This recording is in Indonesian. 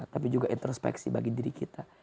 tapi juga introspeksi bagi diri kita